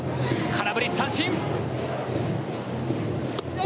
空振り三振。